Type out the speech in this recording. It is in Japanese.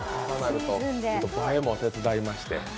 映えも手伝いまして。